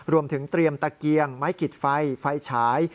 รวมถึงเตรียมตะเกียงไม้กิดไฟไฟฉาย